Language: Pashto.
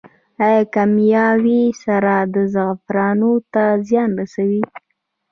آیا کیمیاوي سره زعفرانو ته زیان رسوي؟